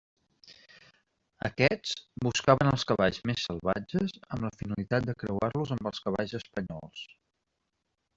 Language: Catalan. Aquests buscaven els cavalls més salvatges amb la finalitat de creuar-los amb els cavalls espanyols.